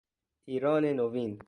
ایران نوین